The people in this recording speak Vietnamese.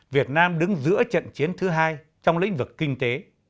việt nam đứng giữa trận chiến thứ hai trong lĩnh vực kinh tế